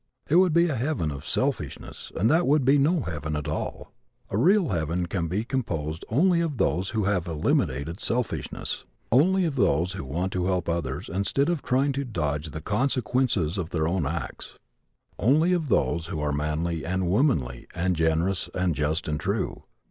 It would be a heaven of selfishness and that would be no heaven at all. A real heaven can be composed only of those who have eliminated selfishness; only of those who want to help others instead of trying to dodge the consequences of their own acts; only of those who are manly and womanly and generous and just and true.